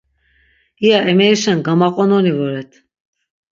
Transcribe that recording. İya amerişen gamaqononi voret.